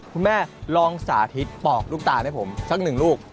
คุณแม่ลองสาธิตปอกลูกตาลให้ผมสักหนึ่งลูก